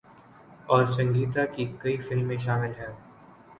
اور سنگیتا کی کئی فلمیں شامل ہیں۔